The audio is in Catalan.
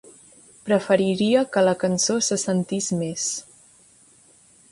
Preferiria que la cançó se sentís més.